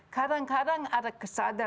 kadang kadang ada kesadaran